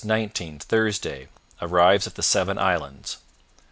19 Thursday Arrives at the Seven Islands.